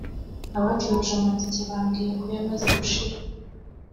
abacuruje amatike bambwiye ko yamaze gushira